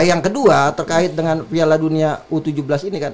yang kedua terkait dengan piala dunia u tujuh belas ini kan